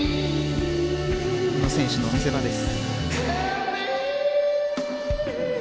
宇野選手の見せ場です。